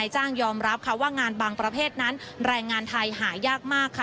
จ้างยอมรับค่ะว่างานบางประเภทนั้นแรงงานไทยหายากมากค่ะ